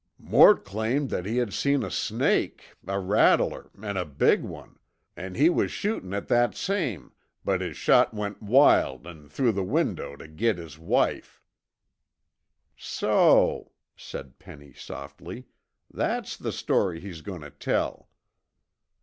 "Mort claimed that he seen a snake, a rattler an' a big one, an' he was shootin' at that same, but his shot went wild an' through the window tuh git his wife." "So," said Penny softly, "that's the story he's going to tell."